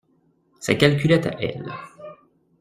Sa calculette à elle.